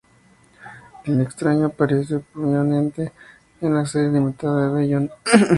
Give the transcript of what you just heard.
El Extraño aparece prominente en la serie limitada "Beyond!